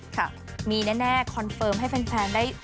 ค่ะมีแน่คอนเฟิร์มให้แฟนได้